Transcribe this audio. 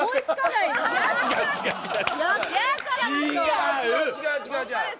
違う違う違う違う！